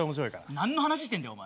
なんの話してんだよお前。